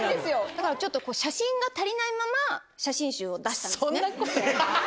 だから写真が足りないまま、写真集を出したんですね。